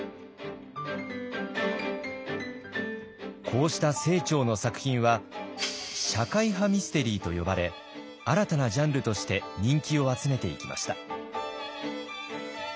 こうした清張の作品は社会派ミステリーと呼ばれ新たなジャンルとして人気を集めていきました。